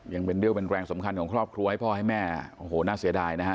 ยังเป็นเรี่ยวเป็นแรงสำคัญของครอบครัวให้พ่อให้แม่โอ้โหน่าเสียดายนะฮะ